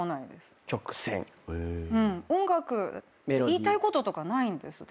言いたいこととかないんです。